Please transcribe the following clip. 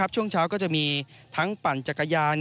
ช่วงเช้าก็จะมีทั้งปั่นจักรยาน